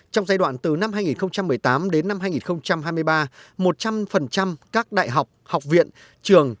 trong giai đoạn từ năm hai nghìn một mươi tám đến năm hai nghìn hai mươi ba một trăm linh các đại học học viện trường